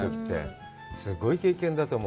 すごい経験だと思う。